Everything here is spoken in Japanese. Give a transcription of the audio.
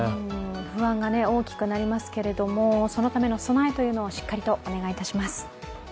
不安がね、大きくなりますけれども、そのための備えというのをしっかりとお願いいたします。